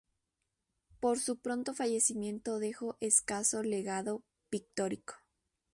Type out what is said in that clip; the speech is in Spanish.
Por su pronto fallecimiento dejó escaso legado pictórico.